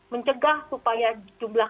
mencegah supaya jumlah